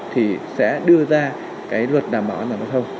thì sẽ đưa ra cái luật đảm bảo an toàn giao thông